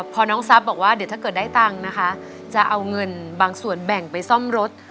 พอน้องทรัพย์บอกว่าเดี๋ยวถ้าเกิดได้ตังค์นะคะจะเอาเงินบางส่วนแบ่งไปซ่อมรถ